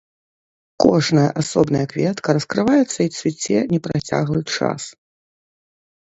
Кожная асобная кветка раскрываецца і цвіце непрацяглы час.